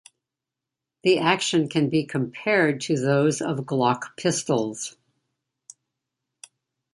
The action can be compared to those of Glock pistols.